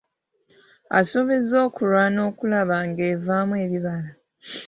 Asuubizza okulwana okulaba ng'evaamu ebibala.